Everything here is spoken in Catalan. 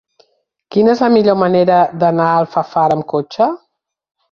Quina és la millor manera d'anar a Alfafara amb cotxe?